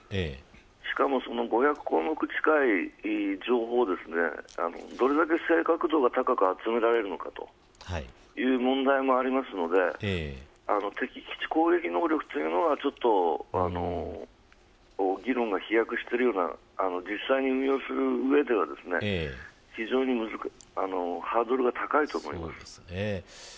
しかも、その５００項目近い情報をどれだけ正確度が高く集められるのかという問題もありますので敵基地攻撃能力というのは議論が飛躍しているような実際に運用する上では非常にハードルが高いと思います。